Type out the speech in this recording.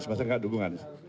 masa nggak dukungan